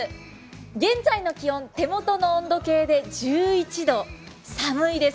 現在の気温手元の温度計で１１度、寒いです。